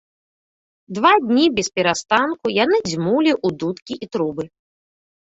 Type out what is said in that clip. Два дні бесперастанку яны дзьмулі ў дудкі і трубы.